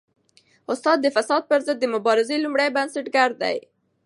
استاد د فساد پر ضد د مبارزې لومړی بنسټګر دی.